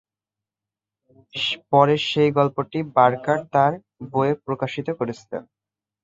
পরে সেই গল্পটিকে বার্কার তার বইতে প্রকাশিত করেছিলেন।